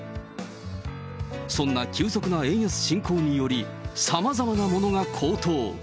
そんな急速な円安進行により、さまざまなものが高騰。